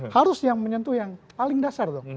harus yang menyentuh yang paling dasar dong